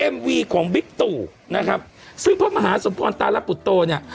วีของบิ๊กตู่นะครับซึ่งพระมหาสมพรตารปุตโตเนี่ย